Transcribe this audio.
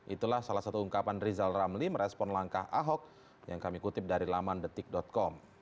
itulah salah satu ungkapan rizal ramli merespon langkah ahok yang kami kutip dari laman detik com